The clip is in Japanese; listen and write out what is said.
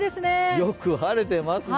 よく晴れてますね。